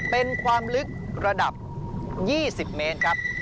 เป็นความลึกระดับ๒๐เมตรครับ